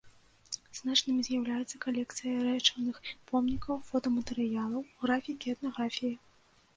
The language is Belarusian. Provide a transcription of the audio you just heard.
Значнымі з'яўляюцца калекцыі рэчыўных помнікаў, фотаматэрыялаў, графікі, этнаграфіі.